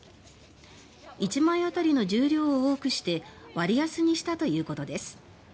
１枚あたりの重量を多くして割安にしたということです。